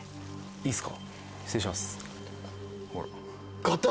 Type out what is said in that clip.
いいですか？